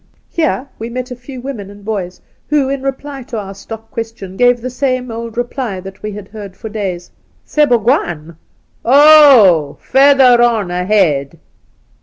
Here we met a few women and boys, who, in reply to our stock question, gave the same old reply that we had heard for days :" Sebougwaan I Oh, further on ahead